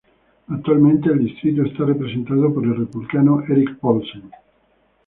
Actualmente el distrito está representado por el Republicano Erik Paulsen.